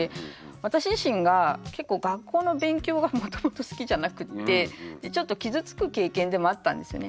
私自身が結構学校の勉強がもともと好きじゃなくって。でちょっと傷つく経験でもあったんですよね。